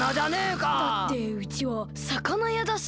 だってうちはさかなやだし。